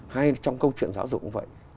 hay trong câu chuyện giáo dục cũng vậy